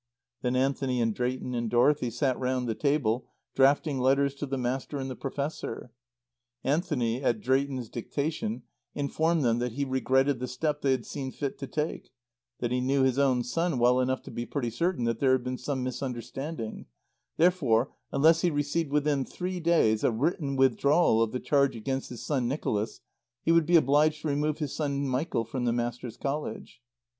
Then Anthony and Drayton and Dorothy sat round the table, drafting letters to the Master and the Professor. Anthony, at Drayton's dictation, informed them that he regretted the step they had seen fit to take; that he knew his own son well enough to be pretty certain that there had been some misunderstanding; therefore, unless he received within three days a written withdrawal of the charge against his son Nicholas, he would be obliged to remove his son Michael from the Master's College.